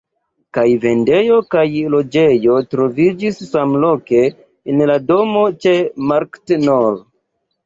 Kaj vendejo kaj loĝejo troviĝis samloke en la domo ĉe Markt nr.